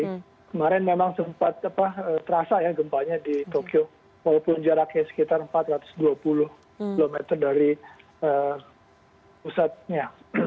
kemarin memang sempat terasa ya gempanya di tokyo walaupun jaraknya sekitar empat ratus dua puluh km dari pusatnya